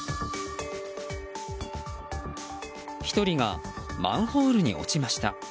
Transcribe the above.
１人がマンホールに落ちました。